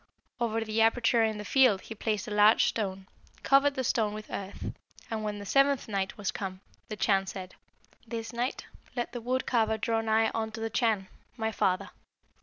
Over the aperture in the field he placed a large stone, covered the stone with earth, and when the seventh night was come, the Chan said, 'This night let the wood carver draw nigh unto the Chan, my father.'